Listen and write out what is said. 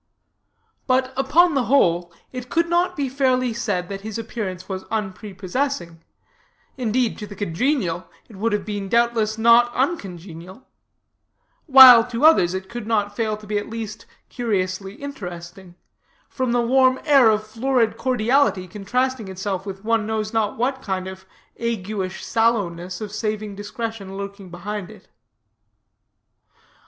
But, upon the whole, it could not be fairly said that his appearance was unprepossessing; indeed, to the congenial, it would have been doubtless not uncongenial; while to others, it could not fail to be at least curiously interesting, from the warm air of florid cordiality, contrasting itself with one knows not what kind of aguish sallowness of saving discretion lurking behind it.